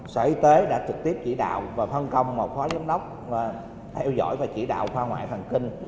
sở y tế đã trực tiếp chỉ đạo và phân công một phó giám đốc theo dõi và chỉ đạo khoa ngoại thần kinh